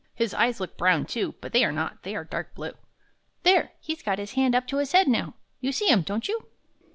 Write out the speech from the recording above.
His eyes look brown, too; but they are not, they are dark blue. There! he's got his hand up to his head now. You see him, don't you?"